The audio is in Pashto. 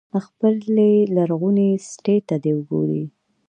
خپلې لرغونې سټې ته دې وګوري.